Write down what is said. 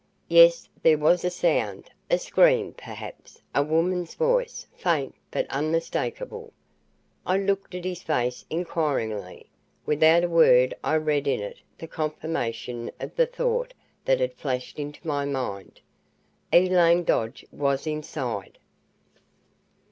Yes, there was a sound a scream perhaps a woman's voice, faint, but unmistakable. I looked at his face inquiringly. Without a word I read in it the confirmation of the thought that had flashed into my mind. Elaine Dodge was inside!